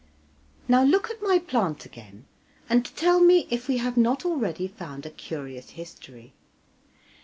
Now look at my plant again, and tell me if we have not already found a curious history?